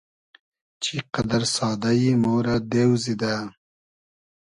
چی قئدئر سادۂ یی ، مۉرۂ دېو زیدۂ